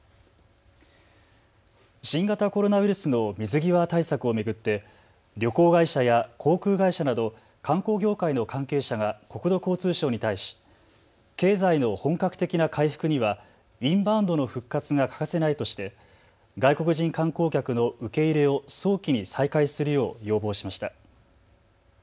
新型コロナウイルスの水際対策を巡って旅行会社や航空会社など観光業界の関係者が国土交通省に対し経済の本格的な回復にはインバウンドの復活が欠かせないとして外国人観光客の受け入れを早期に再開するよう要望しました。